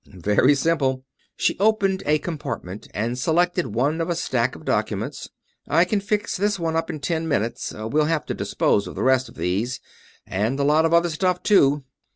"Very simple." She opened a compartment and selected one of a stack of documents. "I can fix this one up in ten minutes. We'll have to dispose of the rest of these, and a lot of other stuff, too.